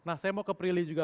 nah saya mau ke prilly juga